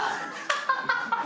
ハハハハ。